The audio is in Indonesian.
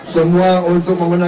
semua untuk memenangkannya